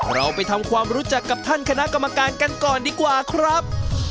เราไปทำความรู้จักกับท่านคณะกรรมการกันก่อนดีกว่าครับ